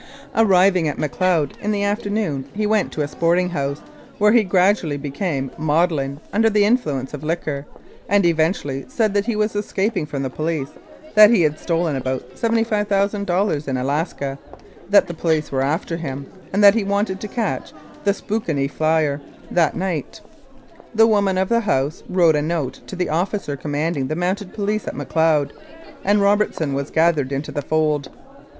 237 Mounted Police Life in Canada Arriving at Macleod in the afternoon he went to a "sporting house," where he gradually became maudlin under the influence of liquor, and eventually said that he was escaping from the police, that he had stolen about $75,000 in Alaska, that the police were after him, and that he wanted to catch u the Spokane Flyer" that night. The woman of the house wrote a note to the officer commanding the Mounted Police at Macleod, and Robertson was gathered into the fold.